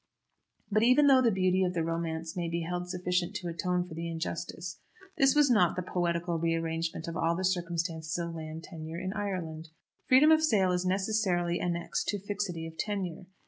But, even though the beauty of the romance be held sufficient to atone for the injustice, this was not the poetical re arrangement of all the circumstances of land tenure in Ireland. Freedom of sale is necessarily annexed to fixity of tenure.